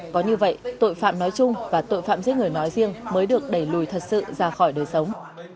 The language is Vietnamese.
có như vậy tội phạm nói chung và tội phạm giết người nói riêng mới được đẩy lùi thật sự ra khỏi đời sống